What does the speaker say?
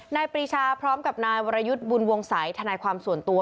ปรีชาพร้อมกับนายวรยุทธ์บุญวงศัยธนายความส่วนตัว